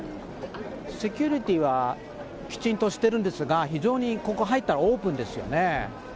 セキュリティーはきちんとしてるんですが、非常に、ここ入ったらオープンですよね。